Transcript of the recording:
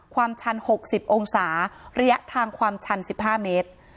ชัน๖๐องศาระยะทางความชัน๑๕เมตร